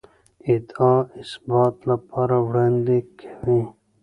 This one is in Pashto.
ادعا اثبات لپاره وړاندې کوي.